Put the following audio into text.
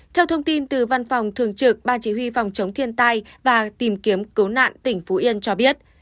theo thông tin từ văn phòng thường trực ban chỉ huy phòng chống thiên tai và tìm kiếm cứu nạn tỉnh phú yên cho biết